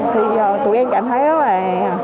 thì tụi em cảm thấy rất là